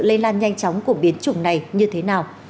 lây lan nhanh chóng của biến chủng này như thế nào